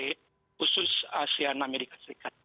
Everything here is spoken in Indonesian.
khusus asean amerika serikat